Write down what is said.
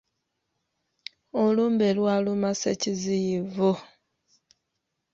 Olumbe lwaluma Ssekiziyivu!